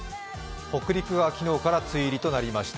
北陸は昨日から梅雨入りとなりました。